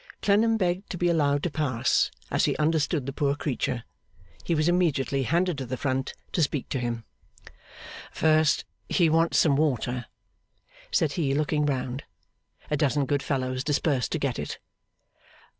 Clennam begged to be allowed to pass, as he understood the poor creature. He was immediately handed to the front, to speak to him. 'First, he wants some water,' said he, looking round. (A dozen good fellows dispersed to get it.)